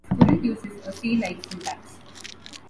Squirrel uses a C-like syntax.